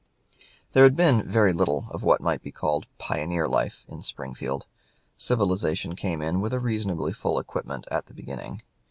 There had been very little of what might be called pioneer life in Springfield. Civilization came in with a reasonably full equipment at the beginning.